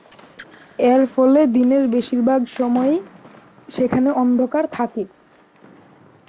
এরফলে দিনের বেশিরভাগ সময়ই সেখানে অন্ধকার থাকে।